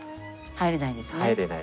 入れないですね。